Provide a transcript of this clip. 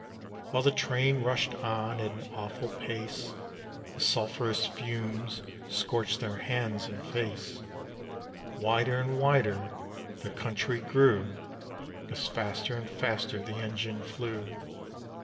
While the train rushed on at an awful pace, The sulphurous fumes scorched their hands and face; Wider and wider the country grew, As faster and faster the engine flew.